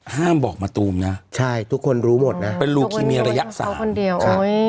บอกมะตูมนะใช่ทุกคนรู้หมดนะเป็นลูคีเมียระยะสามคนเดียว